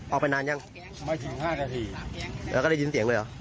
ออกไปนานยังยังไม่ถึง๕นาทีแล้วก็ได้ยินเสียงเลยเหรอ